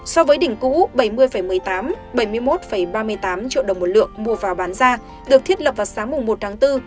so với đỉnh cũ bảy mươi một mươi tám bảy mươi một ba mươi tám triệu đồng một lượng mua vào bán ra được thiết lập vào sáng một tháng bốn